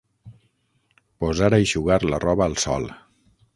Posar a eixugar la roba al sol.